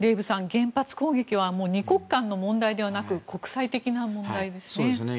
原発攻撃は２国間の問題ではなく国際的な問題ですね。